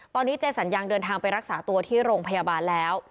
ตอนนี้เจสัญญังเดินทางไปรักษาตัวที่โรงพยาบาลแล้ว